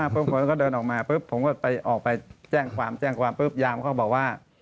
ผมก็ไปออกไปแจ้งความอย่างเขาก็บอกว่า